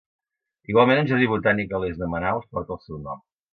Igualment un jardí botànic a l'est de Manaus porta el seu nom.